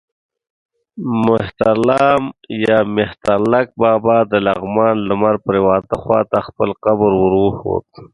مهترلمک یا مهترلام بابا د لغمان لمر پرېواته خوا ته خپل قبر ور وښود.